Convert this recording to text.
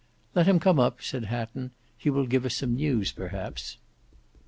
"Let him come up," said Hatton, "he will give us some news perhaps."